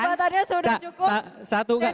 perkembangannya sudah cukup